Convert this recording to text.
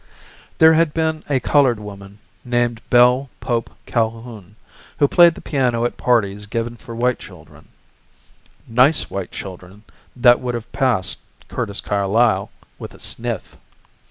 There had been a colored woman named Belle Pope Calhoun who played the piano at parties given for white children nice white children that would have passed Curtis Carlyle with a sniff.